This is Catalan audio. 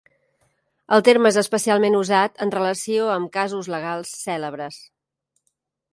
El terme és especialment usat en relació amb casos legals cèlebres.